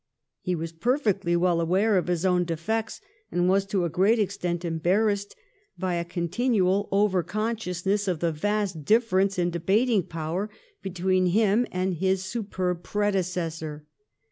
He was perfectly well aware of his own defects, and was to a great extent embarrassed by a contin ual over consciousness of the vast difference in debating power between him and his superb predecessor.